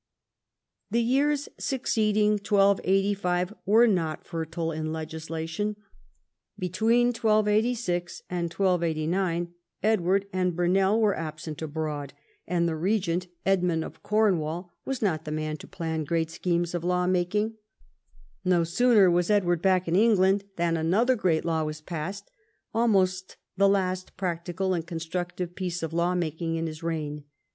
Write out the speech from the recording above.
The years succeeding 1285 were not fertile in legis lation. Between 1286 and 1289 Edward and Burnell were absent abroad, and the regent, Edmund of Cornwall, was not the man to plan great schemes of law making. No sooner was Edward back in England than another great law was passed, almost the last practical and con structive piece of law making in the reign.